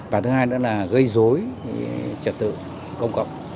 và thứ hai nữa là gây dối trật tự công cộng